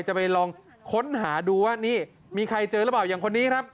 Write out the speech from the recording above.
จะไปลองค้นหาดูว่านี่มีใครเจอหรือเปล่าอย่างคนนี้ครับ